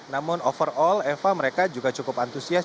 namun overall eva mereka juga cukup antusias